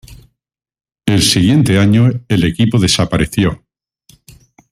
El siguiente año el equipo desapareció.